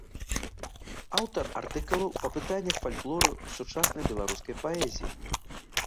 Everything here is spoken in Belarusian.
Аўтар артыкулаў па пытаннях фальклору ў сучаснай беларускай паэзіі.